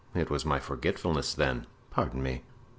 It was my forgetfulness then; pardon me."